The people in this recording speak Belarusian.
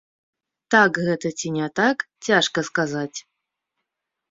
Так гэта ці не так, цяжка сказаць.